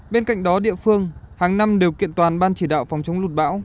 bên cạnh đó địa phương hàng năm điều kiện toàn ban chỉ đạo phòng chống lụt bão